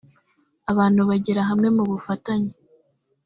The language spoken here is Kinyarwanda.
abantu bagera hamwe mu bufatanye